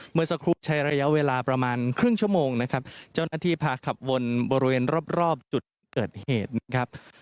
เมื่อสักครู่ใช้ระยะเวลาประมาณครึ่งชั่วโมงนะครับเจ้าหน้าที่พาขับวนบริเวณรอบรอบจุดเกิดเหตุนะครับ